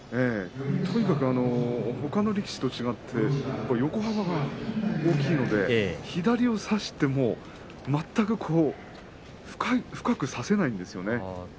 とにかくほかの力士と違って横幅が大きいので、左を差しても全く深く差せないんですよね。